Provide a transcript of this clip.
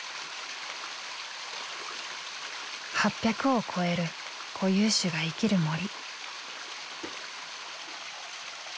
８００を超える固有種が生きる森。